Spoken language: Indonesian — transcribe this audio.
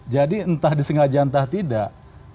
jadi entah disengaja entah tidak